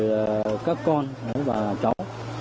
bà rồi các con và cháu